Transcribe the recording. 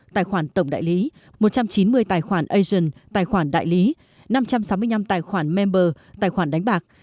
tài khoản tổng đại lý một trăm chín mươi tài khoản asian tài khoản đại lý năm trăm sáu mươi năm tài khoản member tài khoản đánh bạc